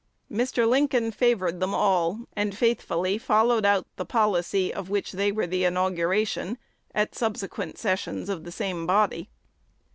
Mr. Lincoln favored them all, and faithfully followed out the policy of which they were the inauguration at subsequent sessions of the same body.